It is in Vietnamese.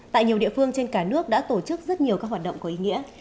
tại nhiều địa phương trên cả nước đã tổ chức rất nhiều các hoạt động có ý nghĩa